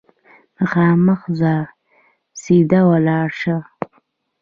مخامخ ځه ، سیده ولاړ شه !